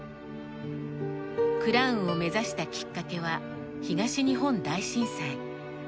クラウンを目指したきっかけは東日本大震災。